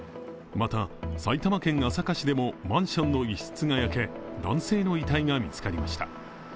また、埼玉県朝霞市でもマンションの１室が焼け男性の遺体が見つかりました。